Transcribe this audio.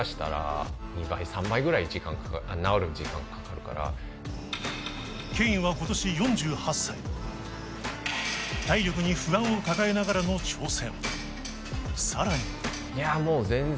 しかしケインは今年４８歳体力に不安を抱えながらの挑戦